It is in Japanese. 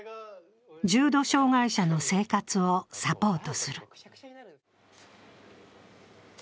重度障害者の生活をサポートする。